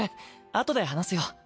あとで話すよ。